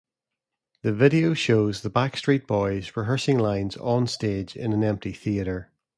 The video shows the Backstreet Boys rehearsing lines onstage in an empty theater.